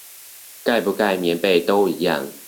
蓋不蓋棉被都一樣